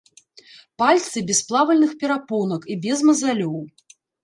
Пальцы без плавальных перапонак і без мазалёў.